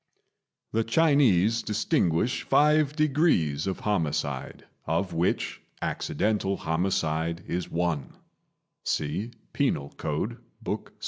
The Chinese distinguish five degrees of homicide, of which accidental homicide is one (see Penal Code, Book VI.)